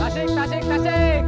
tasik tasik tasik